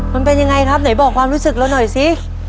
มันเป็นยังไงครับไหนบอกความรู้สึกเราหน่อยสิ